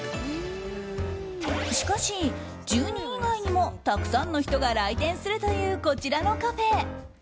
しかし、住人以外にもたくさんの人が来店するというこちらのカフェ。